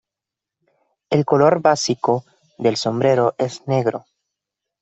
El color básico del sombrero es negro.